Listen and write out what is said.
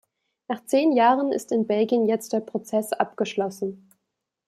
Nach zehn Jahren ist in Belgien jetzt der Prozess abgeschlossen.